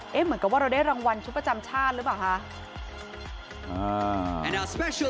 เหมือนกับว่าเราได้รางวัลชุดประจำชาติหรือเปล่าคะ